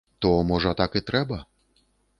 То, можа, так і трэба?